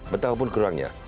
betapa pun kurangnya